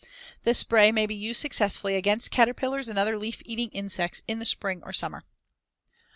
This spray may be used successfully against caterpillars and other leaf eating insects in the spring or summer.